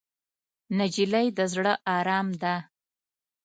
نجلۍ د زړه ارام ده.